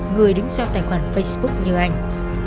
người đứng sau tài khoản facebook như anh